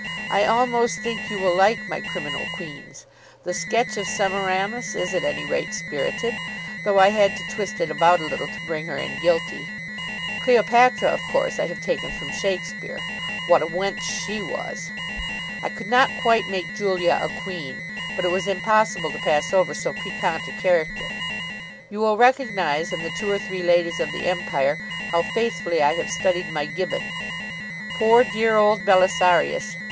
I almost think you will like my "Criminal Queens." The sketch of Semiramis is at any rate spirited, though I had to twist it about a little to bring her in guilty. Cleopatra, of course, I have taken from Shakespeare. What a wench she was! I could not quite make Julia a queen; but it was impossible to pass over so piquant a character. You will recognise in the two or three ladies of the empire how faithfully I have studied my Gibbon. Poor dear old Belisarius!